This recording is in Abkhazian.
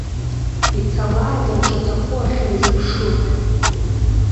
Ицалааит рҿаҵахәы ахьырзыԥшу!